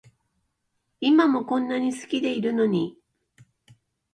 今もこんなに好きでいるのに